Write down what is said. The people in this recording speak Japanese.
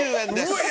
うわ。